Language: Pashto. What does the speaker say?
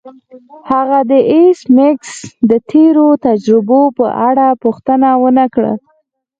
هغه د ایس میکس د تیرو تجربو په اړه پوښتنه ونه کړه